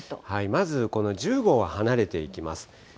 まずこの１０号は離れていきます。